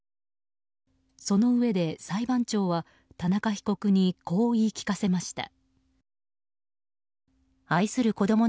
そのうえで裁判長は田中被告にこう言い聞かせました。